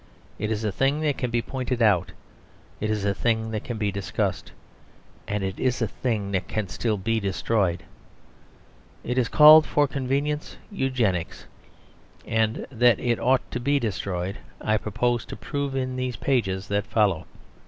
It is a thing that can be pointed out; it is a thing that can be discussed; and it is a thing that can still be destroyed. It is called for convenience "Eugenics"; and that it ought to be destroyed I propose to prove in the pages that follow.